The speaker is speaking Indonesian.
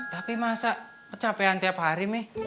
tapi masa kecapean tiap hari nih